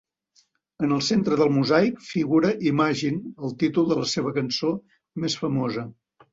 En el centre del mosaic figura Imagine, el títol de la seva cançó més famosa.